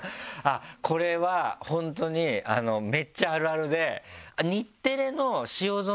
これは本当にめっちゃあるあるで。